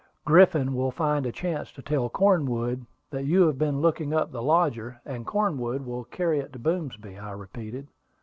"Griffin will find a chance to tell Cornwood that you have been looking up the lodger, and Cornwood will carry it to Boomsby," I repeated.